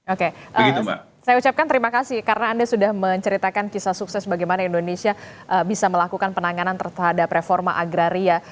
oke saya ucapkan terima kasih karena anda sudah menceritakan kisah sukses bagaimana indonesia bisa melakukan penanganan terhadap reforma agraria